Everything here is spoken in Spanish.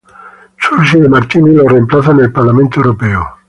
Susy De Martini lo reemplaza en el Parlamento europeo.